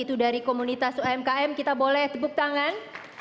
umkm kita boleh tepuk tangan